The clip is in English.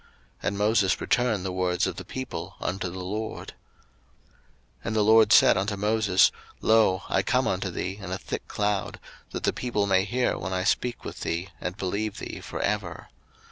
And Moses returned the words of the people unto the LORD. 02:019:009 And the LORD said unto Moses, Lo, I come unto thee in a thick cloud, that the people may hear when I speak with thee, and believe thee for ever.